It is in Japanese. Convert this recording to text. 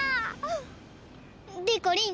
でこりん！